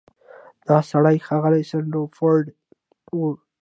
دا سړی ښاغلی سنډفورډ و.